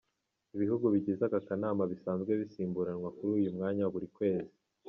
Ibihugu bigize aka kanama bisanzwe bisimburanwa kuri uyu mwanya buri kwezi.